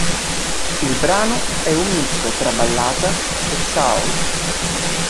Il brano è un misto tra ballata e soul.